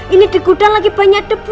ini di kuda lagi banyak debu